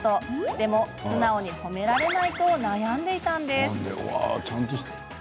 でも、素直に褒められないと悩んでいたんです。